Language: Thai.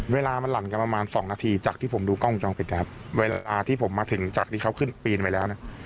เวลามันหลั่นกันประมาณสองนาทีจากที่ผมดูกล้องวงจรปิดนะครับเวลาที่ผมมาถึงจากที่เขาขึ้นปีนไปแล้วเนี่ย